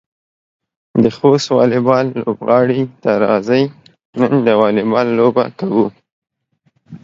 د خوست واليبال لوبغالي ته راځئ، نن د واليبال لوبه کوو.